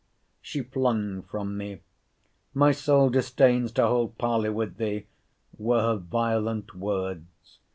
She flung from me—My soul disdains to hold parley with thee! were her violent words.